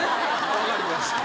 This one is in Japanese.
分かりました。